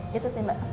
gitu sih mbak